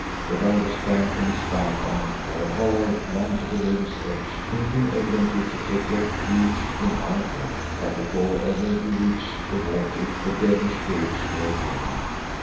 The rider sprang from its back, and, to our horror, ran to the river's edge, thinking evidently to take refuge in our boat. But before ever he reached the water the devilish brutes were upon him.